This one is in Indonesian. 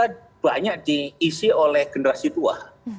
jadi kita banyak diisi oleh generasi tua